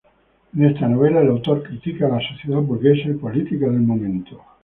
En esta novela el autor critica a la sociedad burguesa y política del momento.